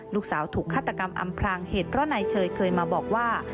ลูกสาวถูกฆาตกรรมอำพลางเหตุเพราะนายเชยเคยมาบอกว่า